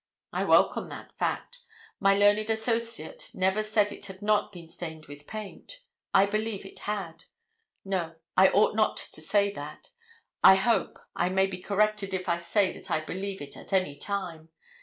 I welcome that fact. My learned associate never said it had not been stained with paint. I believe it had. No, I ought not to say that. I hope, I may be corrected if I say that I believe it at any time.